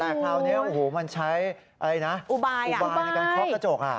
แต่คราวเนี้ยโอ้โหมันใช้อะไรนะอุบายอุบายในการคล็อกกระจกอ่ะ